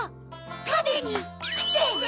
たべにきてね！